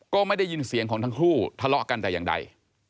ก็ไม่ได้ยินเสียงของทั้งคู่ทะเลาะกันแต่อย่างใด